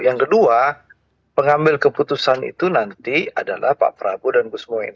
yang kedua pengambil keputusan itu nanti adalah pak prabowo dan gus mohaimin